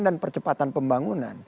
dan percepatan pembangunan